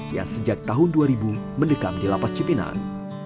yang sejak tahun dua ribu mendekam di lapas cipinang